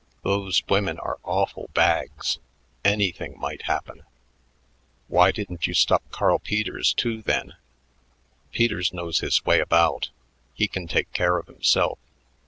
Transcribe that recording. Those women are awful bags. Anything might happen." "Why didn't you stop Carl Peters, too, then?" "Peters knows his way about. He can take care of himself.